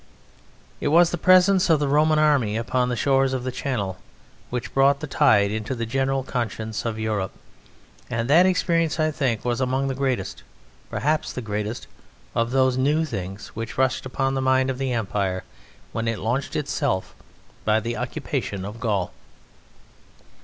It was the presence of the Roman army upon the shores of the Channel which brought the Tide into the general conscience of Europe, and that experience, I think, was among the greatest, perhaps the greatest, of those new things which rushed upon the mind of the Empire when it launched itself by the occupation of Gaul.